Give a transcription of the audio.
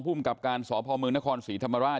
ผู้กับการสพมนครศรีธรรมราช